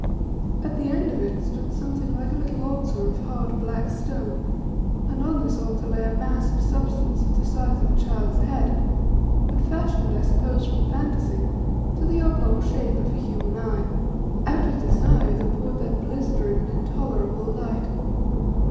At the end of it stood something like a little altar of hard, black stone, and on this altar lay a mass of substance of the size of a child's head, but fashioned, I suppose from fantasy, to the oblong shape of a human eye. Out of this eye there poured that blistering and intolerable light.